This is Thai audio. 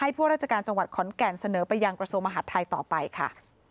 พวกราชการจังหวัดขอนแก่นเสนอไปยังกระทรวงมหาดไทยต่อไปค่ะ